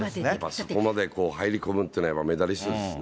あそこまで入り込むってやっぱりメダリストですね。